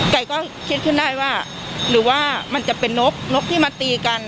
ไก่ก็คิดขึ้นได้ว่าหรือว่ามันจะเป็นนกนกที่มาตีกัน